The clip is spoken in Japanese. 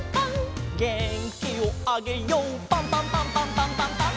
「げんきをあげようパンパンパンパンパンパンパン！！」